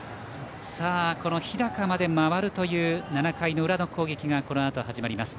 この日高まで回るという７回の裏の攻撃がこのあと始まります。